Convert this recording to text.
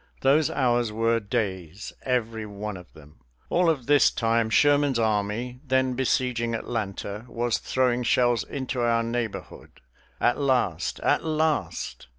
Those hours were days, every one of them. All of this time Sherman's army, then besieging Atlanta, was throwing shells into our neighborhood. At last, at last!